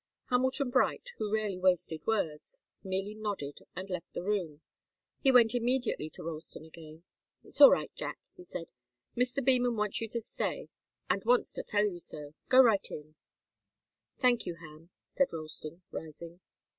Hamilton Bright, who rarely wasted words, merely nodded and left the room. He went immediately to Ralston again. "It's all right, Jack," he said. "Mr. Beman wants you to stay, and wants to tell you so. Go right in." "Thank you, Ham," said Ralston, rising.